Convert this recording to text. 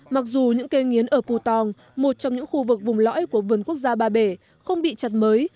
mặc dù những cây nghiến ở pù tòng một trong những khu vực vùng lõi của vườn quốc gia ba bể không bị chặt mới